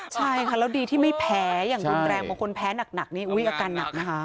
ใช่ค่ะแล้วดีที่ไม่แพ้อย่างรุนแรงบางคนแพ้หนักนี่อาการหนักนะคะ